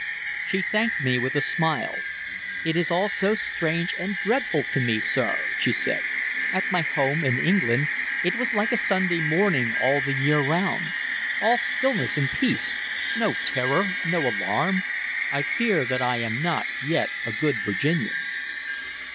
She thanked me with a smile. "It is all so strange and dreadful to me, sir," she said. "At my home, in England, it was like a Sunday morning all the year round, all stillness and peace; no terror, no alarm. I fear that I am not yet a good Virginian."